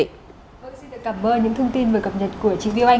vâng xin được cảm ơn những thông tin vừa cập nhật của chị viu anh